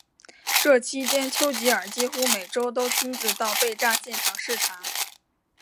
这期间丘吉尔几乎每周都亲自到被炸现场视察。